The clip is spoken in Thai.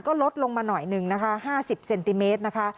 ก็ลดลงมาหน่อยหนึ่งนะคะ๕๐เซนติเมตรนะคะ